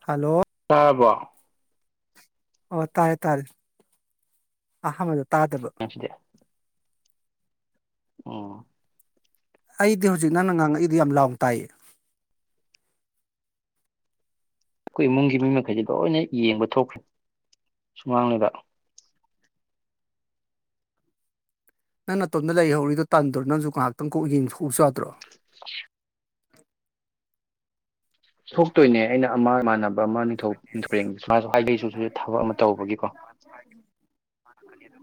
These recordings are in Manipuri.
ꯍꯜꯂꯣ ꯇꯕꯔꯣ ꯑꯣ ꯇꯥꯔꯦ ꯇꯥꯔꯦ [unintelligible] ꯇꯥꯗꯕ ꯑ ꯑꯩꯗꯤ ꯍꯧꯖꯤꯛ ꯅꯪꯅ ꯉꯥꯡꯉꯛꯏꯗꯨ ꯌꯥꯝ ꯂꯥꯎꯅ ꯇꯥꯏ ꯑꯩꯈꯣꯏ ꯏꯃꯨꯡꯒꯤ ꯃꯤ ꯃꯈꯩꯁꯤ ꯂꯣꯏꯅ ꯌꯦꯡꯕ ꯊꯣꯛꯈ꯭ꯔꯦ ꯁꯨꯃꯥꯡꯂꯗ ꯅꯪ ꯑꯇꯣꯝꯇ ꯂꯩꯍꯧꯔꯤꯗꯣ ꯇꯥꯟꯗꯔꯣ ꯅꯪꯁꯨ ꯉꯥꯏꯍꯥꯛꯇꯪ ꯀꯣꯛꯏ ꯄꯕꯨꯁꯇ꯭ꯔ ꯊꯣꯛꯇꯣꯏꯅꯦ ꯑꯩꯅ ꯑꯃꯅꯕ ꯑꯃꯊꯧꯊꯧꯒꯤꯃ ꯍꯥꯏꯗꯩꯁꯨ ꯊꯕꯛ ꯑꯃ ꯇꯧꯕꯒꯤꯀꯣ ꯍ ꯀ ꯑꯗꯨ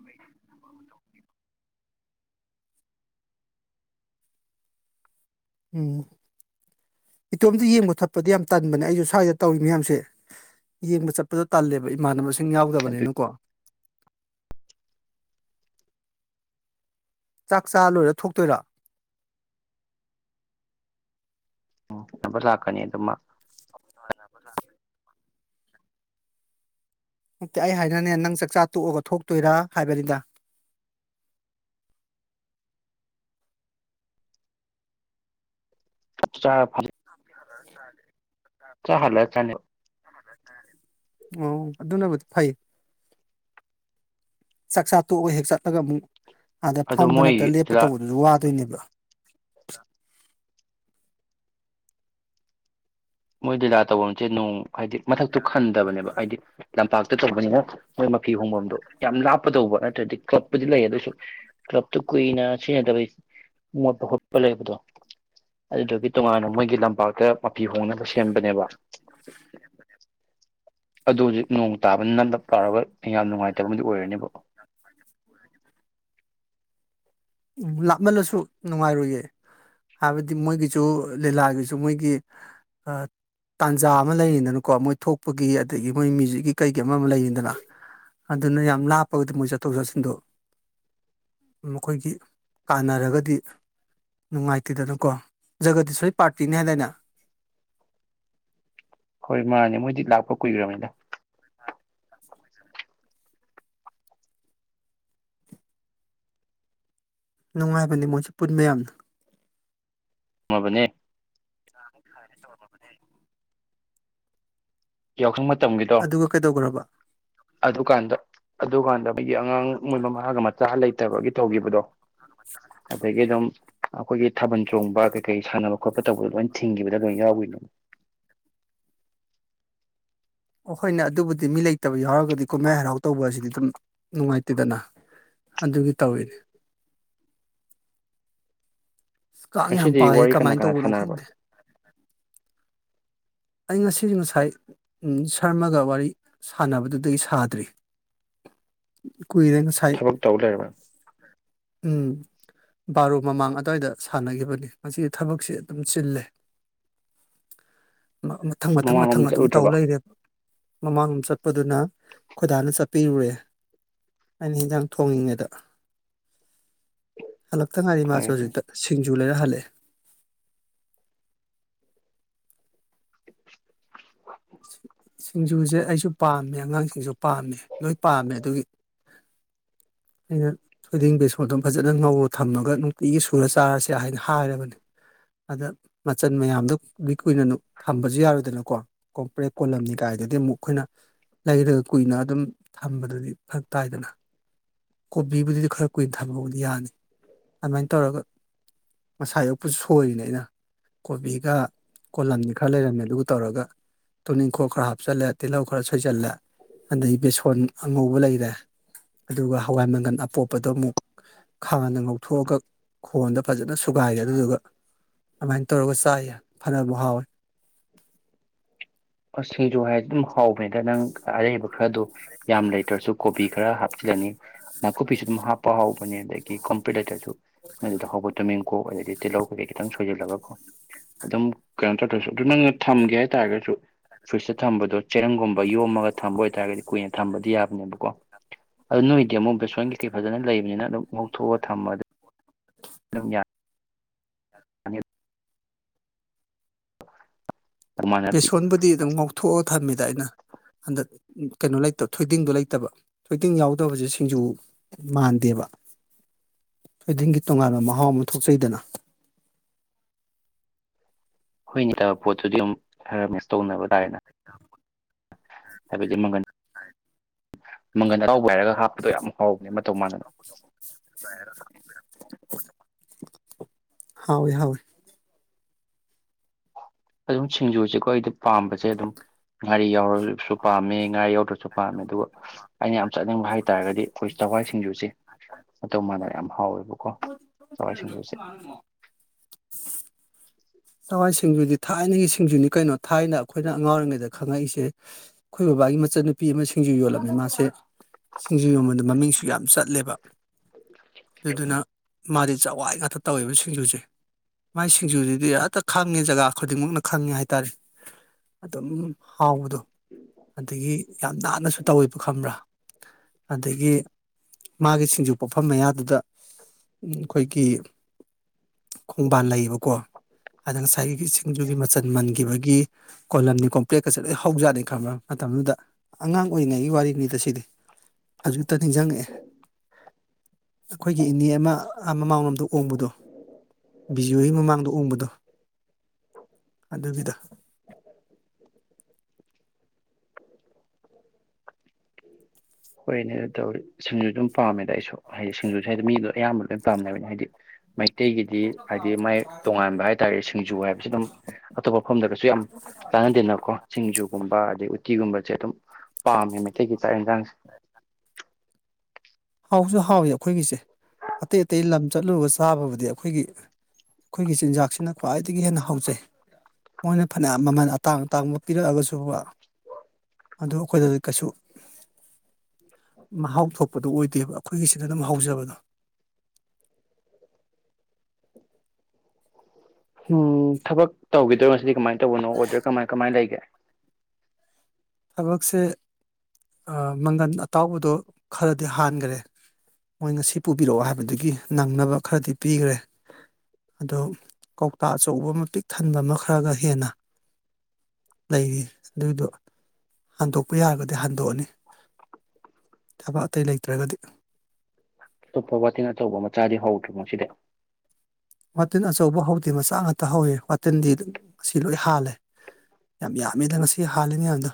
ꯎꯝ ꯏꯇꯣꯝꯇ ꯌꯦꯡꯕ ꯊꯠꯄꯗꯤ ꯌꯥꯝ ꯇꯟꯕꯅꯦ ꯑꯩꯁꯨ ꯁ꯭ꯋꯥꯏꯗ ꯇꯧꯔꯤ ꯃꯌꯥꯝꯁꯦ ꯌꯦꯡꯕ ꯆꯠꯄꯗ ꯇꯜꯂꯦꯕ ꯏꯃꯥꯟꯅꯕ ꯏꯁꯤꯡ ꯑꯗꯨꯒꯤ ꯌꯥꯎꯗꯕꯅꯤꯅꯀꯣ ꯆꯥꯛ ꯆꯥ ꯂꯣꯏꯔ ꯊꯣꯛꯇꯣꯏꯔꯥ ꯎꯕ ꯂꯥꯛꯀꯅꯤ ꯑꯗꯨꯃ ꯍ ꯅꯠꯇꯦ ꯑꯩ ꯍꯥꯏꯅꯅꯦ ꯅꯪ ꯆꯥꯛꯆꯥ ꯇꯣꯛꯑꯒ ꯊꯣꯛꯇꯣꯏꯔ ꯍꯥꯏꯕꯅꯤꯗ ꯆꯥ ꯐ ꯆꯦ ꯆꯥ ꯍꯥꯂ ꯆꯅꯦ ꯑꯣ ꯑꯗꯨꯅꯕꯨꯗꯤ ꯐꯩ ꯆꯥꯛꯆꯥ ꯇꯣꯛꯑꯒ ꯍꯦꯛ ꯆꯠꯂꯒ ꯑꯃꯨꯛ ꯑꯗ ꯑꯗꯣ ꯐꯝꯕ ꯃꯣꯏ ꯅꯠꯇ꯭ꯔꯒ ꯂꯦꯞꯄ ꯂꯤꯂꯥ ꯇꯧꯕꯗꯨꯁꯨ ꯋꯥꯗꯣꯏꯅꯦꯕ [unintelligible] ꯃꯣꯏ ꯗꯤꯗꯥꯥ ꯇꯧꯐꯝꯁꯦ ꯅꯅꯨꯡ ꯍꯥꯏꯗꯤ ꯃꯊꯛꯇꯨ ꯈꯟꯗꯕꯅꯦꯕ ꯍꯥꯏꯗꯤ ꯂꯝꯄꯥꯛꯇ ꯇꯧꯕꯅꯦ ꯃꯣꯏ ꯐꯤ ꯍꯣꯡꯐꯝꯗꯣ ꯌꯥꯝ ꯂꯥꯞꯄ ꯇꯧꯕ ꯑꯗꯨꯗꯤ ꯀ꯭ꯂꯕꯄꯨꯗꯤ ꯂꯩ ꯑꯗꯨꯁꯨ ꯀ꯭ꯂꯞꯇꯨ ꯀꯨꯏꯅ ꯁꯤꯖꯤꯟꯅꯗꯕꯩ ꯃꯣꯠꯄ ꯈꯣꯠꯄ ꯂꯩꯕꯗꯣ ꯑꯗꯨꯗꯨꯒꯤ ꯇꯣꯉꯥꯟꯅ ꯃꯣꯏꯒꯤ ꯂꯝꯄꯥꯛꯇ ꯃꯄꯤꯤ ꯍꯣꯡꯅ ꯁꯦꯝꯕꯅꯦꯕ ꯑꯗꯨ ꯍꯧꯖꯤꯛ ꯅꯣꯡ ꯇꯥꯕ ꯅꯗ ꯇꯥꯔꯒ [unintelligible] ꯂꯥꯞꯃꯜꯂꯁꯨ ꯅꯨꯡꯉꯥꯏꯔꯨꯌꯦ ꯍꯥꯏꯕꯗꯤ ꯃꯣꯏꯒꯤꯁꯨ ꯂꯤꯂꯥꯒꯤꯁꯨ ꯃꯣꯏꯒꯤ ꯇꯥꯟꯖꯥ ꯑꯃ ꯂꯩꯔꯤꯗꯅꯀꯣ ꯃꯣꯏ ꯊꯣꯛꯄꯒꯤ ꯑꯗꯒꯤ ꯃꯣꯏ ꯃ꯭ꯌꯨꯖꯤꯛꯀꯤ ꯀꯩꯒꯤ ꯑꯃ ꯑꯃ ꯂꯩꯔꯤꯗꯅ ꯑꯗꯨꯅ ꯌꯥꯝ ꯂꯥꯞꯄꯒꯗꯤ ꯃꯣꯏ ꯆꯠꯊꯣꯛ ꯆꯠꯁꯤꯟꯗꯣ ꯃꯈꯣꯏꯒꯤ ꯀꯥꯟꯅꯔꯒꯗꯤ ꯅꯨꯡꯉꯥꯏꯇꯦꯗꯅꯀꯣ ꯖꯒꯗꯤ ꯁꯣꯏ ꯄꯥꯔꯇꯤꯅꯤ ꯍꯥꯏꯗꯅ ꯍꯣꯏ ꯃꯥꯅꯦ ꯃꯣꯏꯗꯤ ꯂꯥꯛꯄ ꯀꯨꯏꯈ꯭ꯔꯕꯅꯤꯗ ꯅꯨꯡꯉꯥꯏꯕꯅꯦ ꯃꯣꯏꯁꯦ ꯄꯨꯟꯕꯌꯥꯝꯅ ꯃꯕꯨ ꯍꯦ ꯁ ꯀ ꯋꯥ ꯇꯝꯈꯤꯗꯣ ꯑꯗꯨꯒ ꯀꯩꯗꯧꯈ꯭ꯔꯕ ꯑꯗꯨꯀꯥꯟꯗ ꯑꯗꯨꯗꯨꯀꯥꯟꯗ ꯑꯉꯥꯡ ꯃꯣꯏ ꯃꯃꯥꯒ ꯃꯆꯥ ꯂꯩ ꯐꯠꯇꯕꯒꯤ ꯇꯧꯈꯤꯕꯗꯣ ꯑꯗꯒꯤ ꯑꯗꯨꯝ ꯑꯩꯈꯣꯏꯒꯤ ꯊꯥꯕꯜ ꯆꯣꯡꯕ ꯀꯩ ꯀꯩ ꯁꯥꯟꯅꯕ ꯈꯣꯠꯄ ꯇꯧꯕꯗꯣ ꯂꯣꯏꯅ ꯊꯤꯡꯈꯤꯕꯗ ꯂꯣꯏ ꯌꯥꯎꯒꯔꯤꯗꯣ ꯑꯩꯈꯣꯏꯅꯦ ꯑꯗꯨꯕꯨꯗꯤ ꯃꯤ ꯂꯩꯇꯕ ꯌꯥꯎꯔꯒꯗꯤ ꯀꯨꯝꯍꯩ ꯍꯔꯥꯎ ꯇꯧꯕ ꯑꯁꯤꯗꯤ ꯑꯗꯨꯝ ꯅꯨꯡꯉꯥꯏꯇꯦꯗꯅ ꯑꯗꯨꯒꯤ ꯇꯧꯋꯤꯅꯦ ꯀꯥꯡ ꯌꯥꯝ ꯉꯁꯤꯗꯤ ꯄꯥꯏ ꯋꯥꯔꯤ ꯀꯅꯥ ꯀꯃꯥꯏꯅ ꯀꯅꯥ ꯇꯧꯕꯅꯣ ꯁꯥꯟꯅꯔꯕ ꯈꯪꯗꯦ ꯑꯩ ꯉꯁꯤꯁꯨ ꯉꯁꯥꯏ ꯁꯔꯃꯒ ꯋꯥꯔꯤ ꯁꯥꯟꯅꯕꯗꯨꯗꯒꯤ ꯁꯥꯗ꯭ꯔꯤ ꯀꯨꯏꯔꯦ ꯉꯁꯥꯏ ꯊꯕꯛ ꯇꯧ ꯂꯩꯔꯕ ꯎꯝ ꯕꯥꯔꯣ ꯃꯃꯥꯡ ꯑꯗꯋꯥꯏꯗ ꯁꯥꯟꯅꯈꯤꯕꯅꯤ ꯉꯁꯤꯗꯤ ꯊꯕꯛꯁꯤ ꯑꯗꯨꯝ ꯆꯤꯜꯂꯦ ꯃꯊꯪ ꯃꯊꯪ ꯃꯊꯪ ꯃꯃꯥꯡꯂꯣꯝꯗ ꯑꯗꯨꯝ ꯇꯧ ꯆꯠꯂꯨꯗ꯭ꯔꯕ ꯂꯩꯔꯦꯕ ꯃꯃꯥꯡ ꯆꯠꯄꯗꯨꯅ ꯈꯣꯏꯗꯥꯅ ꯆꯠꯄꯤꯔꯨꯔꯦ ꯑꯩꯅ ꯍꯦꯟꯖꯥꯡ ꯊꯣꯡꯉꯤꯉꯩꯗ ꯍꯜꯂꯛꯇ ꯉꯥꯏꯔꯤ ꯃꯥꯁꯨ ꯐꯔꯦ ꯐꯔꯦ ꯍꯧꯖꯤꯛꯇ ꯁꯤꯡ ꯌꯨ ꯂꯩꯔ ꯍꯜꯂꯛ ꯑꯦ ꯁꯤꯡꯖꯨꯁꯦ ꯑꯩꯁꯨ ꯄꯥꯝꯃꯦ ꯑꯉꯥꯡꯁꯤꯡꯁꯨ ꯄꯥꯝꯃꯦ ꯂꯣꯏ ꯄꯥꯝꯃꯦ ꯑꯗꯨꯒꯤ ꯑꯩꯅ ꯊꯣꯏꯗꯤꯡ ꯕꯦꯁꯣꯟ ꯑꯗꯨꯝ ꯐꯖꯅ ꯉꯧꯔ ꯊꯝꯃꯒ ꯅꯨꯡꯇꯤꯒꯤ ꯁꯨꯔ ꯆꯥꯔꯁꯤꯔꯅ ꯍꯥꯏꯔꯕꯅꯤ ꯑꯗ ꯃꯆꯜ ꯃꯌꯥꯝꯗꯣ ꯀꯨꯏꯅ ꯊꯝꯕꯁꯨ ꯌꯥꯔꯣꯏꯗꯅꯀꯣ ꯀꯣꯝꯄ꯭ꯔꯦꯛ ꯀꯣꯂꯝꯅꯤ ꯀꯥꯏꯗꯨꯗꯤ ꯑꯃꯨꯛ ꯑꯩꯈꯣꯏꯅ ꯂꯩꯔꯒ ꯀꯨꯏꯅ ꯑꯗꯨꯝ ꯊꯝꯕꯗꯨꯗꯤ ꯐꯔꯛ ꯇꯥꯏꯗꯅ ꯀꯣꯕꯤꯕꯨꯗꯤ ꯈꯔ ꯀꯨꯏꯅ ꯊꯝꯕꯕꯨꯗꯤ ꯌꯥꯅꯤ ꯑꯗꯨꯃꯥꯏꯅ ꯇꯧꯔꯒ ꯃꯁꯥ ꯌꯣꯛꯄꯁꯨ ꯁꯣꯏꯔꯤꯅꯦ ꯑꯩꯅ ꯀꯣꯕꯤꯒ ꯀꯣꯂꯝꯅꯤ ꯈꯔ ꯂꯩꯔꯝꯃꯦ ꯑꯗꯨ ꯇꯧꯔꯒ ꯇꯨꯅꯤꯡꯈꯣꯛ ꯈꯔ ꯍꯥꯞꯆꯤꯜꯂꯦ ꯇꯤꯜꯍꯧ ꯈꯔ ꯁꯣꯏꯖꯤꯜꯂꯦ ꯑꯗꯩ ꯕꯦꯁꯣꯟ ꯑꯉꯧꯕ ꯂꯩꯔꯦ ꯑꯗꯨꯒ ꯍꯋꯥꯏ ꯃꯪꯒꯜ ꯑꯄꯣꯛꯄꯗꯣ ꯑꯃꯨꯛ ꯈꯥꯡꯗ ꯉꯧꯊꯣꯛꯑꯒ ꯈꯣꯟꯗ ꯐꯖꯅ ꯁꯨꯒꯥꯏꯔꯦ ꯑꯗꯨꯗꯨꯒ ꯑꯗꯨꯃꯥꯏꯅ ꯇꯧꯔꯒ ꯆꯥꯏꯌꯦ ꯐꯅꯕꯨ ꯍꯥꯎꯋꯦ ꯑꯁꯤꯁ ꯍꯥꯎꯕꯅꯤꯗ ꯅꯪ ꯑꯔꯩꯕ ꯈꯔꯗꯣ ꯌꯥꯝ ꯂꯩꯇ꯭ꯔꯁꯨ ꯀꯣꯕꯤ ꯈꯔ ꯍꯥꯞꯆꯤꯜꯂꯅꯤ ꯅꯥꯀꯨꯞꯄꯤꯁꯨ ꯑꯗꯨꯝ ꯍꯥꯞꯄ ꯍꯥꯎꯕꯅꯦ ꯑꯗꯒꯤ ꯀꯣꯝꯄꯂꯦꯛꯀꯗꯨꯁꯨ ꯍꯧꯕ ꯇꯨꯅꯤꯡ ꯀꯣꯛ ꯑꯗꯩꯗꯤ ꯇꯤꯜꯍꯧ ꯀꯩꯀꯩ ꯈꯤꯇꯪ ꯆꯣꯏꯁꯤꯜꯂꯒꯀꯣ ꯑꯗꯨꯝ ꯀꯩꯅꯣ ꯇꯧꯗ꯭ꯔꯁꯨ ꯑꯗꯨ ꯅꯪꯅ ꯊꯝꯒꯦ ꯍꯥꯏꯇꯥꯔꯒꯁꯨ ꯐꯨꯔꯤꯁꯇ ꯊꯝꯕꯗꯣ ꯆꯦꯔꯪꯒꯨꯝꯕ ꯌꯣꯝꯃꯒ ꯊꯝꯕ ꯑꯣꯏꯇꯥꯔꯒꯗꯤ ꯀꯨꯏꯅ ꯊꯝꯕꯗꯤ ꯌꯥꯕꯅꯦꯕꯀꯣ ꯑꯗꯨ ꯅꯣꯏꯗꯤ ꯑꯃꯨꯛ ꯑꯩ ꯕꯦꯁꯣꯟ ꯀꯩꯀꯩ ꯐꯖꯅ ꯂꯩꯕꯅꯤꯅ ꯑꯗꯨꯝ ꯉꯧꯊꯣꯛꯑ ꯊꯝꯃꯗꯤ ꯌꯥ ꯑꯅꯤ ꯑꯗꯨꯃꯥꯏꯅ ꯕꯦꯁꯣꯟꯕꯨꯗꯤ ꯑꯗꯨꯝ ꯉꯧꯊꯣꯛꯑ ꯊꯝꯃꯤꯗ ꯑꯩꯅ ꯍꯟꯗꯛ ꯀꯩꯅꯣ ꯂꯩꯇꯕ ꯊꯣꯏꯗꯤꯡꯗꯣ ꯂꯩꯇꯕ ꯊꯣꯏꯗꯤꯡ ꯌꯥꯎꯗꯕꯁꯦ ꯁꯤꯡꯖꯨ ꯃꯥꯟꯗꯦꯕ ꯊꯣꯏꯗꯤꯡꯒꯤ ꯇꯣꯉꯥꯟꯕ ꯃꯍꯥꯎ ꯑꯃ ꯊꯣꯛꯆꯩꯗꯅ ꯑꯈꯣꯏ ꯂꯩꯇꯕ ꯄꯣꯠꯇꯨꯗꯤ ꯑꯗꯨꯝ ꯈꯔ ꯃꯤꯁ ꯇꯧꯅꯕ ꯇꯥꯔꯦꯗꯅ ꯑ ꯑꯗꯨꯗꯤ ꯃꯃꯟ ꯃꯪꯒꯜ ꯍꯔꯥꯎꯕ ꯍꯥꯏꯔꯒ ꯍꯥꯞꯄꯗꯣ ꯌꯥꯝ ꯍꯥꯎꯕꯅꯦ ꯑꯃ ꯃꯇꯧ ꯃꯥꯟꯗꯅ ꯍꯥꯎꯋꯤ ꯍꯥꯎꯋꯤ ꯑꯗꯨꯝ ꯁꯤꯡꯖꯨꯁꯦꯀꯣ ꯑꯩꯗꯤ ꯄꯥꯝꯕꯁꯦ ꯑꯗꯨꯝ ꯉꯥꯔꯤ ꯌꯥꯎꯔꯒ ꯁꯨ ꯄꯥꯝꯃꯤ ꯉꯥ ꯌꯧꯗ꯭ꯔꯁꯨ ꯄꯥꯝꯃꯦ ꯑꯗꯨꯒ ꯑꯩꯅ ꯌꯥꯝ ꯆꯥꯅꯤꯡꯕ ꯍꯥꯏꯇꯥꯥꯔꯒꯗꯤ ꯑꯩꯈꯣꯏ ꯆꯛꯋꯥꯏ ꯁꯤꯡꯖꯨꯁꯦ ꯃꯇꯧ ꯃꯥꯟꯗꯅ ꯌꯥꯝ ꯍꯥꯎꯋꯦ ꯀꯣ ꯆꯛꯋꯥꯏ ꯁꯤꯡꯖꯨꯁꯦ ꯆꯛꯋꯥꯏ ꯁꯤꯡꯖꯨꯗꯤ ꯊꯥꯏꯅꯒꯤ ꯁꯤꯡꯖꯨꯅꯤ ꯀꯩꯅꯣ ꯊꯥꯏꯅ ꯑꯩꯈꯣꯏꯅ ꯑꯉꯥꯡ ꯑꯣꯏꯔꯤꯉꯩꯗ ꯈꯪꯉꯛꯏꯁꯦ ꯑꯩꯈꯣꯏ ꯕꯕꯥꯒꯤ ꯃꯆꯟꯅꯨꯄꯤ ꯑꯃ ꯁꯤꯡꯖꯨ ꯌꯣꯜꯂꯝꯃꯦ ꯃꯥꯁꯦ ꯁꯤꯡꯖꯨ ꯌꯣꯟꯕꯗ ꯃꯃꯤꯡꯁꯨ ꯌꯥꯝ ꯆꯠꯂꯦꯕ ꯑꯗꯨꯗꯨꯅ ꯃꯥꯗꯤ ꯆꯛꯋꯥꯏ ꯉꯥꯛꯇ ꯇꯧꯋꯦꯕ ꯁꯤꯡꯖꯨꯁꯦ ꯃꯥꯥꯏ ꯁꯤꯡꯖꯨꯗꯨꯗꯤ ꯑꯠ ꯍꯛꯇ ꯈꯪꯉꯦ ꯖꯒꯥ ꯈꯨꯗꯤꯡꯃꯛꯅ ꯈꯪꯉꯦ ꯍꯥꯏꯇꯥꯔꯦ ꯑꯗꯨꯝ ꯍꯥꯎꯕꯗꯣ ꯑꯗꯒꯤ ꯌꯥꯝ ꯅꯥꯟꯅꯁꯨ ꯇꯧꯋꯦꯕ ꯈꯕ꯭ꯔꯥ ꯑꯗꯒꯤ ꯃꯥꯒꯤ ꯁꯤꯡꯖꯨ ꯄꯐꯝ ꯃꯌꯥꯗꯨꯗ ꯑꯩꯈꯣꯏꯒꯤ ꯈꯣꯡꯕꯥꯜ ꯂꯩꯌꯦꯕꯀꯣ ꯑꯗ ꯉꯁꯥꯏꯒꯤ ꯁꯤꯡꯖꯨꯒꯤ ꯃꯆꯜ ꯃꯟꯈꯤꯕꯒꯤ ꯀꯣꯂꯝꯅꯤ ꯀꯣꯝꯄ꯭ꯂꯦꯛꯀꯁꯦ ꯂꯣꯏ ꯍꯧꯖꯥꯠꯅꯤ ꯈꯪꯕ꯭ꯔ ꯃꯇꯝꯗꯨꯗ ꯑꯉꯥꯡ ꯑꯣꯏꯔꯤꯉꯩꯒꯤ ꯋꯥꯔꯤꯅꯤꯗ ꯁꯤꯗꯤ ꯑꯖꯤꯛꯇ ꯅꯤꯡꯖꯪꯉꯛꯑꯦ ꯑꯩꯈꯣꯏꯒꯤ ꯏꯅꯦ ꯑꯃ ꯃꯃꯥꯡꯂꯣꯝꯗ ꯑꯣꯡꯕꯗꯣ ꯕꯤꯖꯤꯑꯣꯒꯤ ꯃꯃꯥꯡꯗ ꯑꯣꯡꯕꯗꯣ ꯑꯗꯨꯒꯤꯗ ꯍꯣꯏꯅꯦ ꯑꯗꯨ ꯇꯧꯔꯤ ꯁꯨꯝꯁꯨ ꯑꯗꯨꯝ ꯄꯥꯝꯃꯦ ꯑꯩꯁꯨ ꯍꯥꯏꯗꯤ ꯁꯤꯡꯖꯨ ꯍꯥꯏꯗꯤ ꯃꯤꯗ ꯑꯌꯥꯝꯕ ꯂꯣꯏ ꯄꯥꯝꯅꯕꯅꯦ ꯍꯥꯏꯗꯤ ꯃꯩꯇꯩꯒꯤꯗꯤ ꯍꯥꯏꯗꯤ ꯃꯥꯏ ꯇꯣꯉꯥꯟꯕ ꯍꯥꯏꯇꯥꯔꯦ ꯁꯤꯡꯖꯨ ꯍꯥꯏꯕꯁꯤ ꯑꯗꯨꯝ ꯑꯇꯣꯞꯄ ꯃꯐꯝꯗꯒꯁꯨ ꯌꯥꯝ ꯆꯥꯟꯅꯗꯦꯟꯅꯀꯣ ꯁꯤꯡꯖꯨꯒꯨꯝꯕ ꯑꯗꯩ ꯀꯤꯒꯨꯝꯕ ꯆꯦꯇꯝ ꯄꯥꯝꯃꯦꯃꯦ ꯊ ꯆꯥꯡꯁꯦ ꯍꯥꯎꯁꯨ ꯍꯥꯎꯏ ꯑꯩꯈꯣꯏꯒꯤꯁꯦ ꯑꯇꯩ ꯑꯇꯩ ꯂꯝ ꯆꯠꯂꯨꯔꯒ ꯆꯥꯕꯕꯨꯗꯤ ꯑꯩꯈꯣꯏꯒꯤ ꯑꯩꯈꯣꯏꯒꯤ ꯆꯤꯟꯖꯥꯛꯁꯤꯅ ꯈ꯭ꯋꯥꯏꯗꯒꯤ ꯍꯦꯟꯅ ꯍꯥꯎꯖꯩ ꯃꯣꯏꯅ ꯐꯅꯌꯥꯝ ꯃꯃꯜ ꯑꯇꯥꯡ ꯑꯇꯥꯡꯕ ꯄꯤꯔꯛꯑꯒꯁꯨ ꯑꯗꯨ ꯑꯩꯈꯣꯏꯗ ꯀꯩꯁꯨ ꯃꯍꯥꯎ ꯊꯣꯛꯄꯗꯨ ꯑꯣꯏꯗ ꯗꯦꯕ ꯑꯩꯈꯣꯏꯒꯤꯁꯤꯗ ꯑꯗꯨꯝ ꯍꯧꯖꯕꯗꯣ ꯎꯝ ꯊꯕꯛ ꯇꯧꯈꯤꯗ꯭ꯔꯣ ꯉꯁꯤꯗꯤ ꯀꯃꯥꯏꯅ ꯇꯧꯕꯅꯣ ꯑꯣꯔꯗꯔ ꯀꯃꯥꯏ ꯀꯃꯥꯏꯅ ꯂꯩꯒꯦ ꯊꯕꯛꯁꯦ ꯃꯪꯒꯟ ꯑꯇꯥꯎꯕꯗꯣ ꯈꯔꯗꯤ ꯍꯥꯟꯈ꯭ꯔꯦ ꯃꯣꯏ ꯉꯁꯤ ꯄꯨꯕꯤꯔꯛꯑꯣ ꯍꯥꯏꯕꯗꯨꯒꯤ ꯅꯪꯅꯕ ꯈꯔꯗꯤ ꯄꯤꯈ꯭ꯔꯦ ꯑꯗꯣ ꯀꯧꯇꯥ ꯑꯆꯧꯕ ꯑꯃ ꯄꯤꯛ ꯊꯟꯕ ꯑꯃ ꯈꯔꯒ ꯍꯦꯟꯅ ꯂꯩꯔꯤ ꯑꯗꯨꯏꯗꯣ ꯍꯟꯗꯣꯛꯄ ꯌꯥꯔꯒꯗꯤ ꯍꯟꯗꯣꯛꯑꯅꯤ ꯊꯕꯛ ꯑꯇꯩ ꯂꯩꯇ꯭ꯔꯒꯗꯤ ꯑꯣꯞꯄ ꯋꯥꯇꯤꯟ ꯑꯆꯧꯕ ꯃꯆꯥꯗꯤ ꯍꯧꯗ꯭ꯔꯤꯅꯣ ꯁꯤꯗ ꯋꯥꯇꯤꯟ ꯑꯆꯧꯕ ꯍꯧꯗꯦ ꯃꯆꯥ ꯉꯥꯛꯇ ꯍꯧꯋꯦ ꯋꯥꯇꯜꯗꯤ ꯑꯗꯨꯝ ꯑꯁꯤ ꯂꯣꯏ ꯍꯥꯜꯂꯦ ꯌꯥꯝ ꯌꯥꯝꯃꯤꯗ ꯉꯁꯤ ꯍꯥꯜꯂꯤꯅꯦꯌꯥꯝꯗ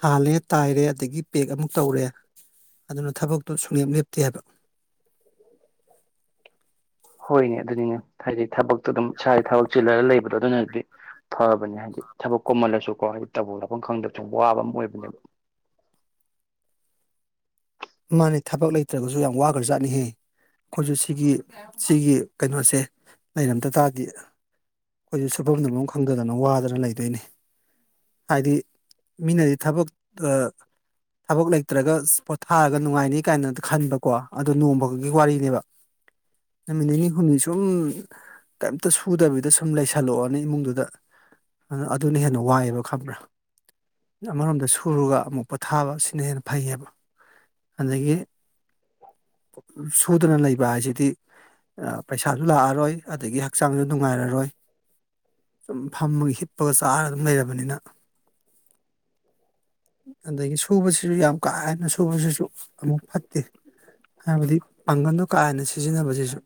ꯍꯥꯜꯂꯦ ꯇꯥꯏꯔꯦ ꯑꯗꯒꯤ ꯄꯦꯛ ꯑꯃꯨꯛ ꯇꯧꯔꯦ ꯑꯗꯨꯅ ꯊꯕꯛꯇꯣ ꯁꯨꯡꯂꯦꯞ ꯂꯦꯞꯇꯦ ꯍꯥꯏꯕ ꯍꯣꯏꯅꯦ ꯑꯗꯨꯅꯤꯅꯦ ꯍꯥꯏꯗꯤ ꯊꯕꯛꯇꯣ ꯑꯗꯨꯝ ꯁ ꯊꯕ ꯆꯤꯜꯂꯒ ꯂꯩꯕꯗꯣ ꯑꯗꯨꯅꯗꯤ ꯐꯕꯅꯦ ꯍꯥꯏꯗꯤ ꯊꯕꯛ ꯀꯣꯃꯜꯂꯁꯨꯀꯣ ꯍꯥꯏꯗꯤ ꯇꯧꯕ ꯂꯥꯛꯐꯝ ꯈꯪꯗꯕ ꯆꯕ ꯋꯥꯕ ꯑꯃ ꯑꯣꯏꯕꯅꯦꯕ ꯃꯥꯅꯦ ꯊꯕꯛ ꯂꯩꯇ꯭ꯔꯒꯁꯨ ꯌꯥꯝ ꯋꯥꯈ꯭ꯔꯖꯥꯠꯅꯤꯍꯦ ꯑꯩꯈꯣꯏꯁꯨ ꯁꯤꯒꯤ ꯁꯤꯒꯤ ꯀꯩꯅꯣꯁꯦ ꯂꯩꯔꯝꯗ ꯇꯥꯔꯗꯤ ꯑꯩꯈꯣꯏꯁꯨ ꯁꯨꯐꯝꯗꯐꯝꯝ ꯈꯪꯗꯗꯅ ꯋꯥꯗꯅ ꯂꯩꯗꯣꯏꯅꯤ ꯍꯥꯏꯗꯤ ꯃꯤꯅꯗꯤ ꯊꯕꯛ ꯊꯕꯛ ꯂꯩꯇ꯭ꯔꯒ ꯊꯥꯔꯒ ꯅꯨꯡꯉꯥꯏꯅꯤ ꯀꯥꯏꯅ ꯈꯟꯕꯀꯣ ꯑꯗꯨ ꯅꯣꯡꯃꯒꯤ ꯋꯥꯔꯤꯅꯦꯕ ꯅꯨꯃꯤꯠ ꯅꯤꯅꯤ ꯍꯨꯝꯅꯤ ꯁꯨꯝ ꯀꯩꯝꯇ ꯁꯨꯗꯕꯤꯗ ꯁꯨꯝ ꯂꯩꯁꯜꯂꯛꯑꯣꯅꯦ ꯏꯃꯨꯡꯗꯨꯗ ꯑꯗꯨ ꯑꯗꯨꯅ ꯍꯦꯟꯅ ꯋꯥꯏꯑꯦꯕ ꯈꯪꯕ꯭ꯔꯥ ꯑꯃꯔꯣꯝꯗ ꯁꯨꯔꯒ ꯑꯃꯨꯛꯄ ꯊꯥꯕ ꯁꯤꯅ ꯍꯦꯟꯅ ꯐꯩꯌꯦꯕ ꯑꯗꯒꯤ ꯁꯨꯗꯅ ꯂꯩꯕ ꯍꯥꯏꯁꯤꯗꯤ ꯄꯩꯁꯥꯁꯨ ꯂꯥꯛꯑꯔꯣꯏ ꯑꯗꯒꯤ ꯍꯛꯆꯥꯡꯁꯨ ꯅꯨꯡꯉꯥꯏꯔꯔꯣꯏ ꯁꯨꯝ ꯐꯝꯃꯒ ꯍꯤꯞꯄꯒ ꯆꯥꯔ ꯑꯗꯨꯝ ꯂꯩꯔꯕꯅꯤꯅ ꯑꯗꯒꯤ ꯁꯨꯕꯁꯤꯁꯨ ꯌꯥꯝ ꯀꯥ ꯍꯦꯟꯅ ꯁꯨꯕꯁꯤꯁꯨ ꯑꯃꯨꯛ ꯐꯠꯇꯦ ꯍꯥꯏꯕꯗꯤ ꯄꯥꯡꯒꯜꯗꯣ ꯀꯥ ꯍꯦꯟꯅ ꯁꯤꯖꯤꯟꯅꯕꯁꯤꯁꯨ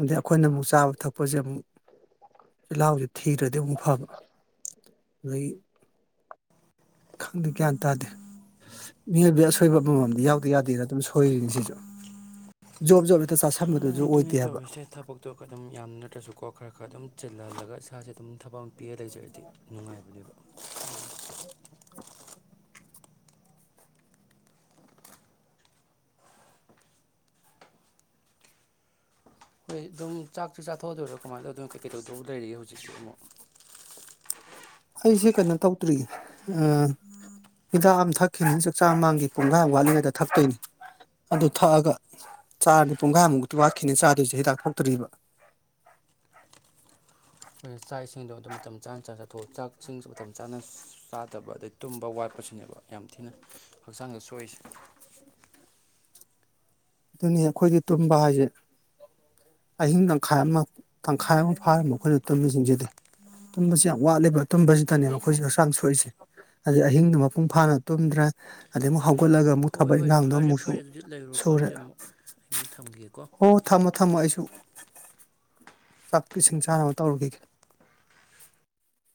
ꯑꯗꯩ ꯑꯩꯈꯣꯏꯅ ꯑꯃꯨꯛ ꯆꯥꯕ ꯊꯛꯄꯁꯦ ꯑꯃꯨꯛ ꯆꯤꯜꯍꯥꯎꯁꯦ ꯊꯤꯔ꯭ꯔꯗꯤ ꯑꯃꯨꯛ ꯐꯕ ꯑꯗꯒꯤ ꯈꯪꯗꯦ ꯒ꯭ꯌꯥꯟ ꯇꯥꯗꯦ ꯃꯤꯑꯣꯏꯕ ꯑꯁꯣꯏꯕ ꯑꯃꯃꯝꯗꯤ ꯌꯥꯎꯗ ꯌꯥꯗꯦꯅ ꯑꯗꯨꯝ ꯁꯣꯏꯔꯤꯅꯤ ꯁꯤꯁꯨ ꯖꯣꯕ ꯖꯣꯕ ꯍꯦꯛꯇ ꯆ ꯑꯗꯨꯅ ꯇꯧꯔꯤꯁꯦ ꯊꯕꯛꯇꯣ ꯑꯗꯨꯝ ꯌꯥꯝ ꯅꯠꯇ꯭ꯔꯁꯨꯀꯣ ꯈꯔ ꯈꯔ ꯑꯗꯨꯝ ꯆꯤꯜꯍꯜꯂꯒ ꯏꯁꯥꯁꯦ ꯑꯗꯨꯝ ꯊꯕꯛ ꯑꯃ ꯄꯤꯔ ꯂꯩꯖꯔꯗꯤ ꯅꯨꯡꯉꯥꯏꯕꯅꯦꯕ ꯍꯣꯏ ꯑꯗꯨꯝ ꯆꯥꯛꯁꯤ ꯆꯥꯊꯣꯛꯑꯗꯣꯏꯔꯣ ꯀꯃꯥꯏꯅ ꯇꯧ ꯑꯗꯨꯝ ꯀꯩꯀꯩ ꯇꯧꯗꯧ ꯂꯩꯔꯤꯒꯦ ꯍꯧꯖꯤꯛꯁꯦ ꯑꯃꯨꯛ ꯑꯩꯁꯦ ꯀꯩꯅꯣ ꯇꯧꯗ꯭ꯔꯤ ꯍꯤꯗꯥꯛ ꯑꯃ ꯊꯛꯈꯤꯅꯤ ꯆꯥꯛꯆꯥ ꯃꯥꯡꯒꯤ ꯄꯨꯡꯈ꯭ꯔꯥꯏꯃꯨꯛ ꯋꯥꯠꯂꯤꯉꯩꯗ ꯊꯛꯇꯣꯏꯅꯤ ꯑꯗꯨ ꯊꯛꯑꯒ ꯆꯥꯅꯤ ꯄꯨꯡꯈ꯭ꯔꯥꯏꯃꯨꯛꯇꯤ ꯋꯥꯠꯈꯤꯅꯤ ꯆꯥꯗꯣꯏꯁꯦ ꯍꯤꯗꯥꯛ ꯊꯇ꯭ꯔꯤꯕ ꯎ ꯆꯥꯛ ꯏꯁꯤꯡꯗ ꯑꯗꯨꯗ ꯃꯇꯝ ꯆꯥꯅ ꯆꯥꯊꯣꯛꯏ ꯆ ꯆꯥꯛꯁꯤꯡꯁꯨ ꯃꯇꯝ ꯆꯥꯅ ꯆꯥꯗꯕ ꯑꯗꯩ ꯇꯨꯝꯕ ꯋꯥꯠꯄꯁꯤꯅꯦꯕ ꯌꯥꯝ ꯊꯤꯅ ꯍꯛꯆꯥꯡꯗ ꯁꯣꯛꯏꯁꯦ ꯑꯗꯨꯅꯤ ꯑꯩꯈꯣꯏꯒꯤ ꯇꯨꯝꯕ ꯍꯥꯏꯁꯦ ꯑꯍꯤꯡ ꯇꯪꯈꯥꯏ ꯑꯃ ꯇꯪꯈꯥꯏ ꯑꯃ ꯐꯥꯔꯝꯕ ꯑꯩꯈꯣꯏꯅ ꯇꯨꯝꯕꯁꯤꯡꯁꯤꯗꯤ ꯇꯨꯝꯕꯁꯤ ꯌꯥꯝ ꯋꯥꯠꯂꯤꯕ ꯇꯨꯝꯕꯁꯤꯗꯅꯦꯕ ꯑꯩꯈꯣꯏꯁꯤ ꯍꯛꯆꯥꯡ ꯁꯣꯛꯏꯁꯦ ꯑꯗꯩ ꯑꯍꯤꯡꯗ ꯃꯄꯨꯡ ꯐꯥꯅ ꯇꯨꯝꯗ꯭ꯔꯦ ꯑꯗꯩ ꯑꯃꯨꯛ ꯍꯧꯒꯠꯂꯒ ꯑꯃꯨꯛ ꯊꯕꯛ ꯍꯣꯏ ꯏꯪꯈꯥꯡꯗꯣ ꯐꯔꯦ ꯑꯃꯨꯛꯁꯨ ꯐꯔꯦ ꯑꯗꯨꯗꯤ ꯂꯩꯔꯣꯀꯣ ꯁꯨꯔꯦ ꯑꯗꯨꯗꯤ ꯑꯃꯨꯛ ꯑꯩ ꯑꯃꯨꯛ ꯊꯝꯈꯤꯒꯦꯀꯣ ꯍꯣ ꯊꯝꯃꯣ ꯊꯝꯃꯣ ꯑꯩꯁꯨ [inaudible] [unintelligible] ꯆꯥꯛ ꯏꯁꯤꯡ ꯆꯥꯅꯕ ꯇꯧꯔꯨꯈꯤꯒꯦ